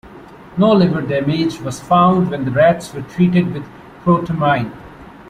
No liver damage was found when the rats were treated with protamine.